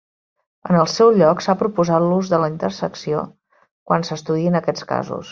En el seu lloc, s'ha proposat l'ús de la intersecció quan s'estudiïn aquests casos.